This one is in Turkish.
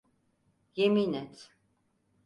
Yemin et.